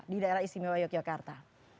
di daerah istimewa yogyakarta